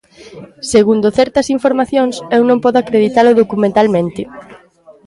Segundo certas informacións, eu non podo acreditalo documentalmente.